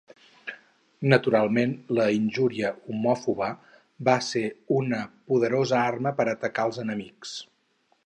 Naturalment la injúria homòfoba va ser una poderosa arma per atacar als enemics.